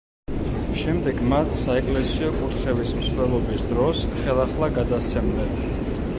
შემდეგ მათ საეკლესიო კურთხევის მსვლელობის დროს ხელახლა გადასცემდნენ.